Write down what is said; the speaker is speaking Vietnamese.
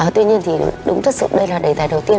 tuy nhiên thì đúng thật sự đây là đề tài đầu tiên